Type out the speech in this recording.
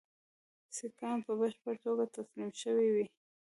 سیکهان په بشپړه توګه تسلیم شوي وي.